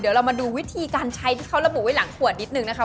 เดี๋ยวเรามาดูวิธีการใช้ที่เขาระบุไว้หลังขวดนิดนึงนะคะ